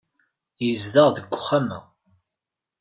Yezdeɣ deg uxxam-a.